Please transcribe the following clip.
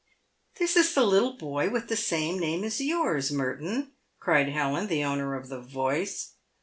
"This is the little boy with the same name as yours, Merton," cried Helen, the owner of the voice.